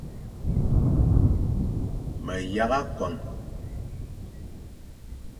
Me yagha kon,